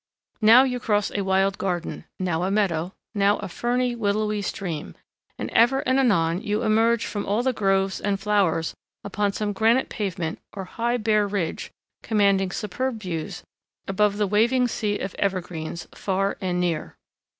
Now you cross a wild garden, now a meadow, now a ferny, willowy stream; and ever and anon you emerge from all the groves and flowers upon some granite pavement or high, bare ridge commanding superb views above the waving sea of evergreens far and near.